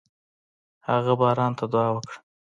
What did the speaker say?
هغه باران ته دعا وکړه.